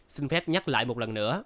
xin phép nhắc lại một lần nữa